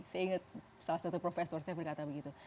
saya ingat salah satu profesor saya berkata begitu